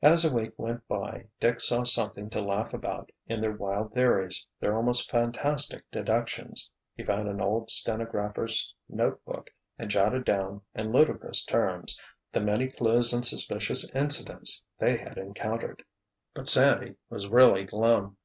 As a week went by Dick saw something to laugh about in their wild theories, their almost fantastic deductions. He found an old stenographers' note book and jotted down, in ludicrous terms, the many clues and suspicious incidents they had encountered. But Sandy was really glum.